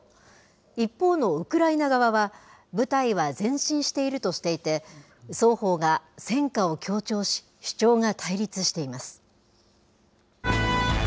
一方のウクライナ側は、部隊は前進しているとしていて、双方が戦果を強調し、主張が対立しています。